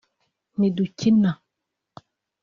ntidukina